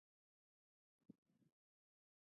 زوی یې ورته وايي: